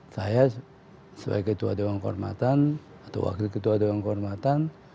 saya sebagai ketua dewan kehormatan atau wakil ketua dewan kehormatan